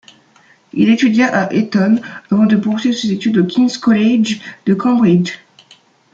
Il étudia à Eton, avant de poursuivre ses études au King's College de Cambridge.